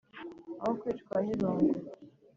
Aho kwicwa n'irungu